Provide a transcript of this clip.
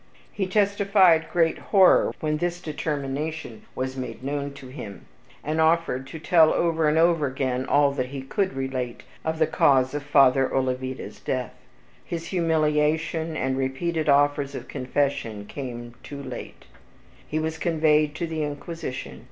He testified great horror when this determination was made known to him, and offered to tell over and over again all that he COULD relate of the cause of Father Olavida's death. His humiliation, and repeated offers of confession, came too late. He was conveyed to the Inquisition.